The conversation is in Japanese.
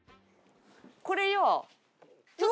これよ。